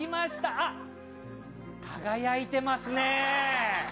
あっ、輝いてますねえ。